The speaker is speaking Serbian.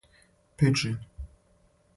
пиџин